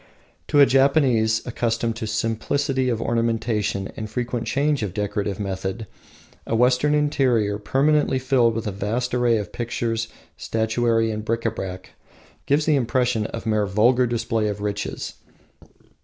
To a Japanese, accustomed to simplicity of ornamentation and frequent change of decorative method, a Western interior permanently filled with a vast array of pictures, statuary, and bric a brac gives the impression of mere vulgar display of riches.